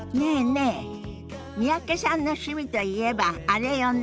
え三宅さんの趣味といえばあれよね。